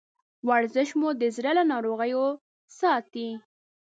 ورزش مو د زړه له ناروغیو ساتي.